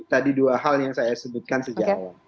tadi dua hal yang saya sebutkan sejauh ini